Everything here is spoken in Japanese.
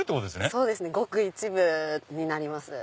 そうですねごく一部になります。